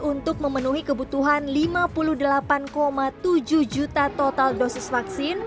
untuk memenuhi kebutuhan lima puluh delapan tujuh juta total dosis vaksin